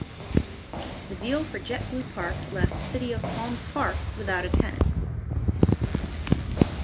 The deal for JetBlue Park left City of Palms Park without a tenant.